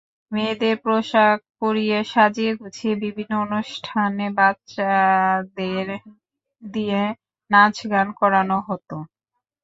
মেয়েদের পোশাক পরিয়ে সাজিয়ে-গুজিয়ে বিভিন্ন অনুষ্ঠানে বাচাদের দিয়ে নাচগান করানো হতো।